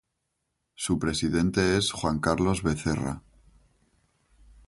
Su presidente es Juan Carlos Becerra.